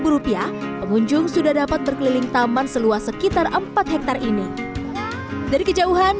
rupiah pengunjung sudah dapat berkeliling taman seluas sekitar empat hektare ini dari kejauhan